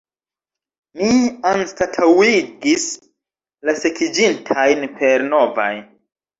Mi anstataŭigis la sekiĝintajn per novaj.